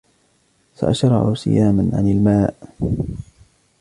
سأشرع صياما عن الماء.